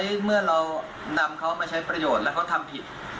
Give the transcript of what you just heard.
เมื่อเรานำเขามาใช้ประโยชน์แล้วเขาทำผิด